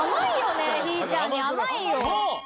ひぃちゃんに甘いよ。